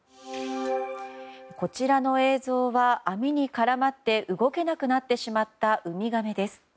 こちらの映像は、網に絡まって動けなくなってしまったウミガメです。